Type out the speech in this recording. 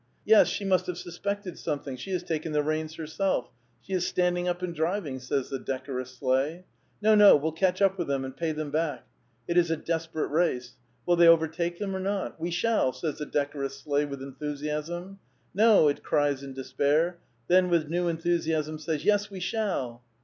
^'^ Yes, she must have suspected something ; she has taken the reins herself ; she b standing up and driving," says the decorous sleigh. No, no, we'll catch up with them and pay them back." It is a des|)erate race. Will they overtake them or not? ^* We shall," says the decorous sleigh with enthusiasm. ^* No," it cries in despair ; then, with new enthusiasm says, '"Yes, we shall.